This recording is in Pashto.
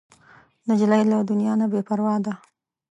نجلۍ له دنیا نه بې پروا ده.